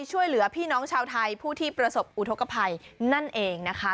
ช่วยเหลือพี่น้องชาวไทยผู้ที่ประสบอุทธกภัยนั่นเองนะคะ